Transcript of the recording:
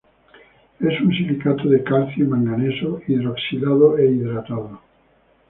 Es un silicato de calcio y manganeso, hidroxilado e hidratado.